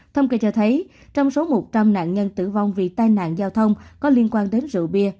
thông kê cho thấy trong số một trăm linh nạn nhân tử vong vì tai nạn giao thông có liên quan đến rượu bia